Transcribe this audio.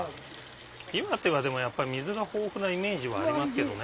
岩手はでもやっぱり水が豊富なイメージはありますけどね。